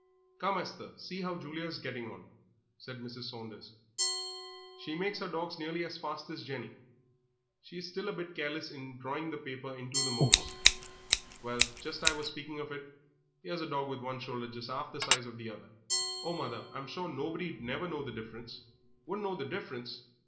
"Come, Esther, see how Julia is getting on," said Mrs. Saunders; "she makes her dogs nearly as fast as Jenny. She is still a bit careless in drawing the paper into the moulds. Well, just as I was speaking of it: 'ere's a dog with one shoulder just 'arf the size of the other." "Oh, mother, I'm sure nobody'd never know the difference." "Wouldn't know the difference!